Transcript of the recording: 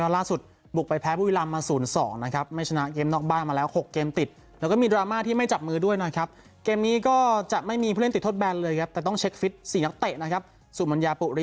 ล่าสุดบุกไปแพ้ภาพวิรัมน์แบบศูนย์๒